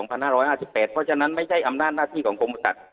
เพราะฉะนั้นไม่ใช่อำนาจหน้าที่ของกรมบริษัท